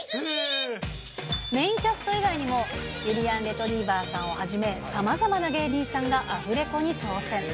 メインキャスト以外にも、ゆりやんレトリィバァさんをはじめ、さまざまな芸人さんがアフレコに挑戦。